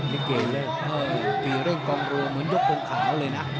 นิเกย์เลยปีเรื่องกองรัวเหมือนยกคนขาวเลยนะ